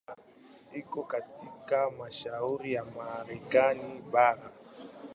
Iko katika mashariki ya Marekani bara.